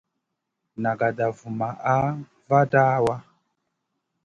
Nagada vumaʼha vada waʼa.